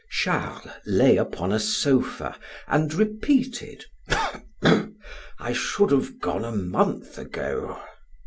Charles lay upon a sofa and repeated: "I should have gone a month ago."